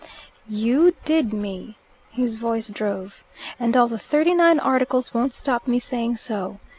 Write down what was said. "You did me," his voice drove, "and all the thirty nine Articles won't stop me saying so.